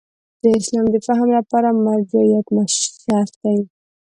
د اسلام د فهم لپاره مرجعیت شرط دی.